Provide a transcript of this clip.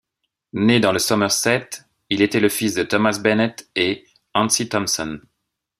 Né dans le Sommerset, il était le fils de Thomas Bennett et Antsie Tomson.